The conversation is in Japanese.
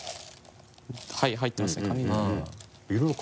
はい入ってますね紙が。